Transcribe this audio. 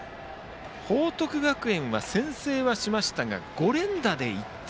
報徳学園は先制しましたが５連打で１点。